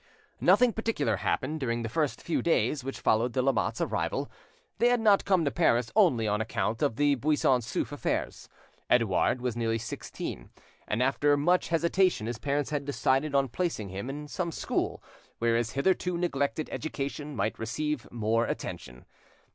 Nothing particular happened during the first few days which followed the Lamottes' arrival. They had not come to Paris only on account of the Buisson Souef affairs. Edouard was nearly sixteen, and after much hesitation his parents had decided on placing him in some school where his hitherto neglected education might receive more attention.